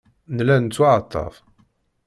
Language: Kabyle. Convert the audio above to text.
Nella nettwaɛettab.